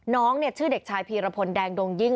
น้องชื่อเด็กชายพีรพลแดงดงยิ่ง